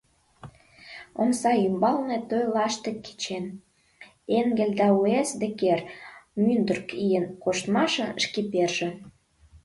Омса ӱмбалне той лаштык кечен: “Энгель Дауэс Деккер, мӱндырк ийын коштмашын шкиперже“.